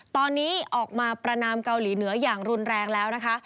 ตอนนี้ออกมาประนามเกาหลีเหนืออย่างรุนแรงแล้วนะคะ